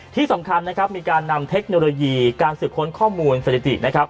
ที่สำคัญมีการนำเทคโนโลยีการสืบค้นข้อมูลสถิติ